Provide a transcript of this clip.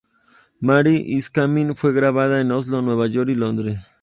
Mary Is Coming fue grabado en Oslo, Nueva York y Londres.